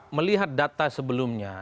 kalau melihat data sebelumnya